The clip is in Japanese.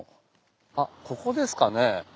あっここですかね？